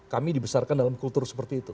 kami dibesarkan dalam kultur seperti itu